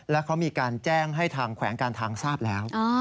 แล้วเขามีการแจ้งให้ทางแขวงการทางทราบแล้ว